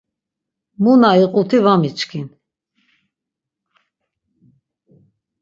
Mu na iquti va miçkin.